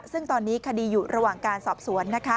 ซึ่งตอนนี้คดีอยู่ระหว่างการสอบสวน